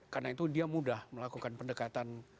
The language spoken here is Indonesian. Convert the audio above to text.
karena itu dia mudah melakukan pendekatan